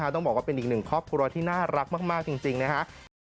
ต้องบอกว่าเป็นอีกหนึ่งครอบครัวที่น่ารักมากจริงนะครับ